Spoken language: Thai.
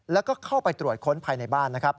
และเข้าไปตรวจค้นภายในบ้าน